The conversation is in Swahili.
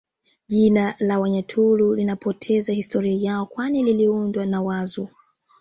Jina la Wanyaturu linapoteza historia yao kwani liliundwa na Wazu